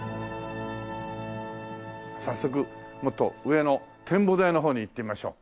早速もっと上の展望台の方に行ってみましょう。